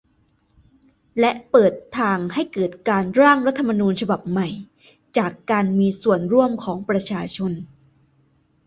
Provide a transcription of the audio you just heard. และเปิดทางให้เกิดการ "ร่าง" รัฐธรรมนูญฉบับใหม่ จากการมีส่วนร่วมของประชาชน